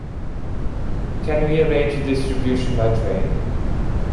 Can we arrange the distribution by train?